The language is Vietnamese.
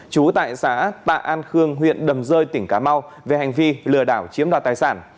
trú tại xã tạ an khương huyện đầm rơi tỉnh cà mau về hành vi lừa đảo chiếm đoạt tài sản